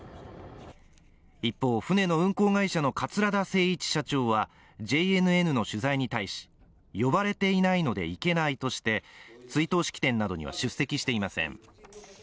一方、船の運航会社の桂田精一社長はＪＮＮの取材に対し、呼ばれていないので行けないとして追悼式典などには出席していません。